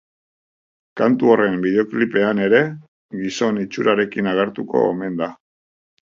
Kantu horren bideoklipean ere gizon itxurarekin agertuko omen da.